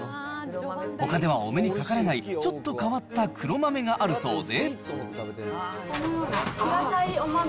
ほかではお目にかかれないちょっと変わった黒豆があるそうで。